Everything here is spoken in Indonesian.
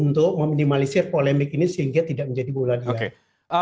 untuk meminimalisir polemik ini sehingga tidak menjadi bulan imlek